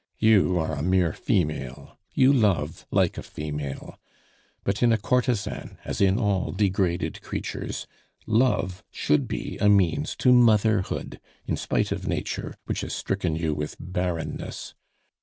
You are a mere female; you love like a female! But in a courtesan, as in all degraded creatures, love should be a means to motherhood, in spite of Nature, which has stricken you with barrenness!